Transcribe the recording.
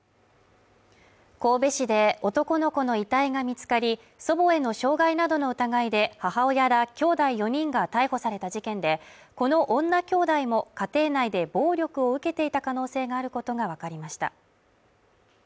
神戸市で男の子の遺体が見つかり、祖母への傷害などの疑いで母親らきょうだい４人が逮捕された事件で、この女きょうだいも家庭内で暴力を受けていた可能性があることがわかりました。